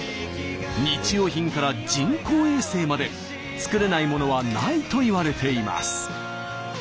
日用品から人工衛星まで作れないものはないといわれています。